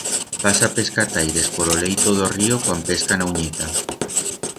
Pasa pescataires por o leito d'o río cuan pescan a unyeta.